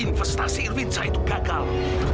investasi irvinsa itu gagal